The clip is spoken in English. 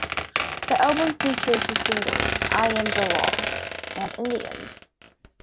The album features the singles, "I Am the Law" and "Indians".